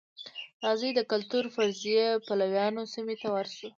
راځئ د کلتور فرضیې پلویانو سیمې ته ورشو.